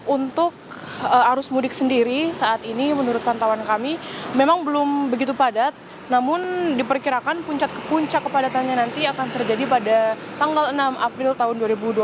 untuk arus mudik sendiri saat ini menurut pantauan kami memang belum begitu padat namun diperkirakan puncak kepadatannya nanti akan terjadi pada tanggal enam april tahun dua ribu dua puluh